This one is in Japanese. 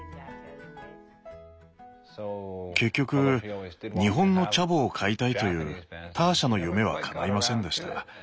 結局日本のチャボを飼いたいというターシャの夢はかないませんでした。